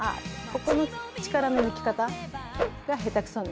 ここの力の抜き方が下手くそね。